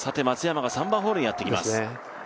松山が３番ホールにやってきました